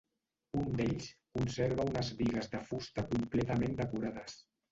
Un d'ells conserva unes bigues de fusta completament decorades.